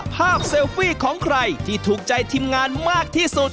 เซลฟี่ของใครที่ถูกใจทีมงานมากที่สุด